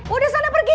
udah sana pergi